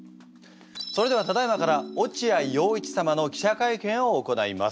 それではただいまから落合陽一様の記者会見を行います。